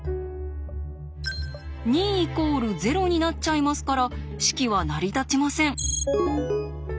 ２＝０になっちゃいますから式は成り立ちません。